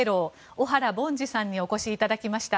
小原凡司さんにお越しいただきました。